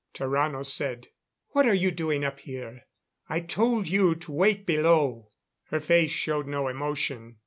Tarrano said: "What are you doing up here? I told you to wait below." Her face showed no emotion.